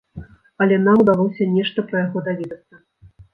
Але нам удалося нешта пра яго даведацца.